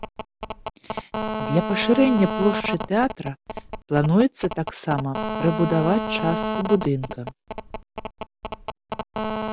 Для пашырэння плошчы тэатра плануецца таксама прыбудаваць частку будынка.